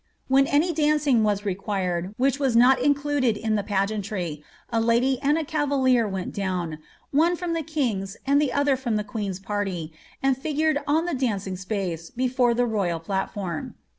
When any dancing was required which was not included in the pageantry, a lady and a cavalier went down, one from the king's and tlie other from the queen's party, and figured on the dancing space before the royal platform.